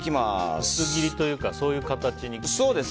ぶつ切りというかそういう形に？